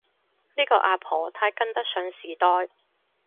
呢個阿婆太跟得上時代